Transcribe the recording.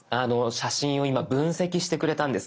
写真を今分析してくれたんです。